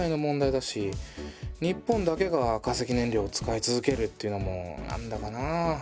日本だけが化石燃料を使い続けるっていうのもなんだかなぁ。